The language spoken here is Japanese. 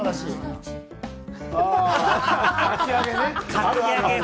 かきあげね！